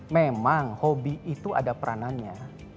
memang hobi itu ada peranannya